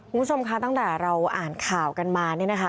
คุณผู้ชมคะตั้งแต่เราอ่านข่าวกันมาเนี่ยนะคะ